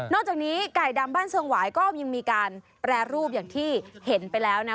จากนี้ไก่ดำบ้านทรงหวายก็ยังมีการแปรรูปอย่างที่เห็นไปแล้วนะ